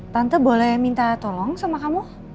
tante boleh minta tolong sama kamu